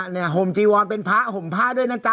ห่มจีวรเป็นพระห่มผ้าด้วยนะจ๊